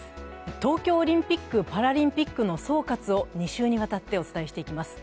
東京オリンピック・パラリンピックの総括を２週に渡ってお伝えしていきます。